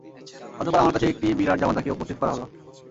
অতঃপর আমার কাছে একটি বিরাট জামাতকে উপস্থিত করা হলো।